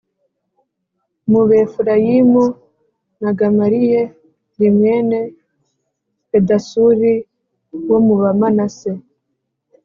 mu Befurayimu, na Gamaliye limwene Pedasuri wo mu Bamanase